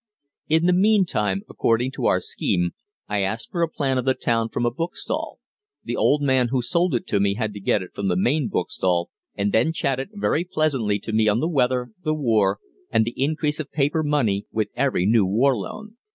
In the meantime, according to our scheme, I asked for a plan of the town from a bookstall. The old man who sold it to me had to get it from the main bookstall, and then chatted very pleasantly to me on the weather, the war, and the increase of paper money with every new war loan.